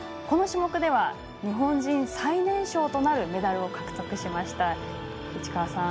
この種目では日本人最年少となるメダルを獲得しました。